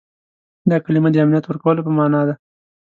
دا کلمه د امنیت ورکولو په معنا ده.